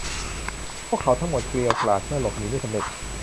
พวกเขาทั้งหมดเกรียวกราดเมื่อหลบหนีไม่สำเร็จ